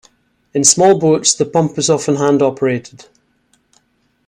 In small boats the pump is often hand operated.